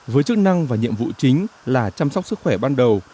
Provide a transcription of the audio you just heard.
với chức năng và nhiệm vụ chính là chăm sóc sức khỏe ban đầu